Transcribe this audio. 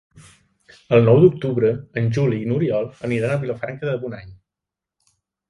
El nou d'octubre en Juli i n'Oriol aniran a Vilafranca de Bonany.